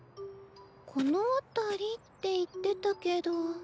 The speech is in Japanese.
この辺りって言ってたけど。